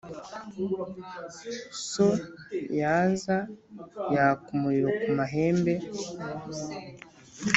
so yaza yaka umuriro ku mahembe,